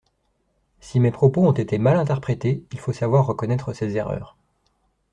Si mes propos ont été mal interprétés, il faut savoir reconnaître ses erreurs.